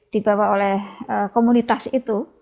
dibawa oleh komunitas itu